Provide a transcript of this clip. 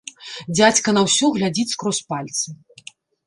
Дзядзька на ўсё глядзіць скрозь пальцы.